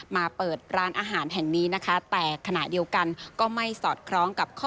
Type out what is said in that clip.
มาเปิดร้านอาหารแห่งนี้นะคะ